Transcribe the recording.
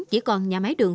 chỉ còn nhà máy đường